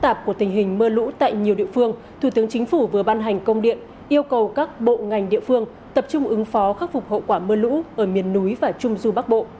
đặc của tình hình mưa lũ tại nhiều địa phương thủ tướng chính phủ vừa ban hành công điện yêu cầu các bộ ngành địa phương tập trung ứng phó khắc phục hậu quả mưa lũ ở miền núi và trung du bắc bộ